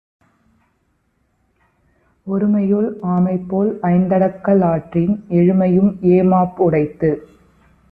ஒருமையுள் ஆமைபோல் ஐந்தடக்கல் ஆற்றின் எழுமையும் ஏமாப்பு உடைத்து.